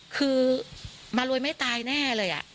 คือมารวยไม่ตายแน่เลย